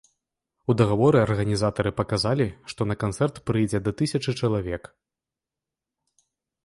У дагаворы арганізатары паказалі, што на канцэрт прыйдзе да тысячы чалавек.